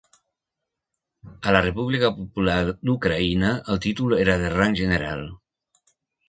A la República Popular d'Ucraïna, el títol era de rang general.